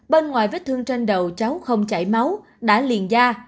bên ngoài vết thương trên đầu cháu không chảy máu đã liền ra